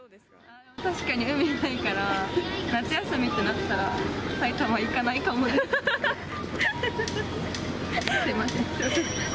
確かに海ないから、夏休みってなったら、埼玉行かないかもです。